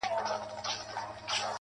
ځوان دعا کوي.